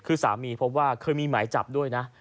คือสามีพบว่าเคยมีหมายจับด้วยนะ